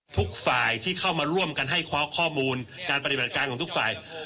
ทุกฝ่ายที่เข้ามาร่วมกันให้ข้อมูลการปฏิบัติการของทุกฝ่าย